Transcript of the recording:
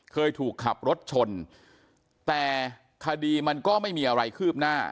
เคยถูกขับรถชนแต่คดีมันก็ไม่มีอะไรคืบหน้า